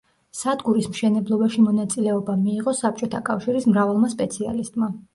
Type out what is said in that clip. სადგურის მშენებლობაში მონაწილეობა მიიღო საბჭოთა კავშირის მრავალმა სპეციალისტმა.